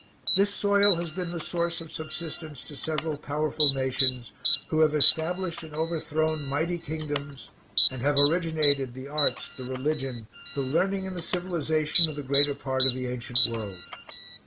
This soil has been the source of subsistence to several powerful nations who have established and overthrown mighty kingdoms, and have originated the arts, the religion, the learning and the civilization of the greater part of the ancient world.